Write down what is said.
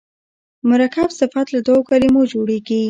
مرکب صفت له دوو کلمو جوړیږي.